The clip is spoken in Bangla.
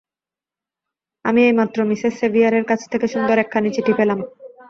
আমি এইমাত্র মিসেস সেভিয়ারের কাছ থেকে সুন্দর একখানি চিঠি পেলাম।